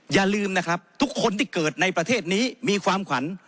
อย่าลืมนะครับทุกคนที่เกิดในประเทศนี้มีความขวัญ